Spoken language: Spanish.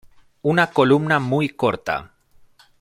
Una columna muy corta.